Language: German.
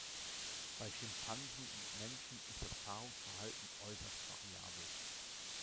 Bei Schimpansen und Menschen ist das Paarungsverhalten äußerst variabel.